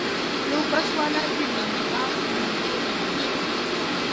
یو بس والا چې جمارات نارې یې وهلې.